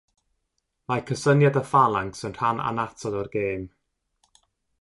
Mae cysyniad y ffalancs yn rhan annatod o'r gêm.